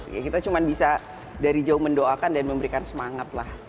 ya kita cuma bisa dari jauh mendoakan dan memberikan semangat lah